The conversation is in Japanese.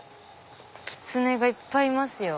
キツネがいっぱいいますよ。